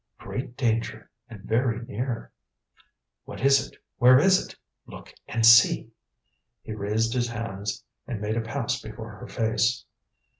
"Great danger, and very near." "What is it? Where is it? Look and see!" He raised his hands and made a pass before her face.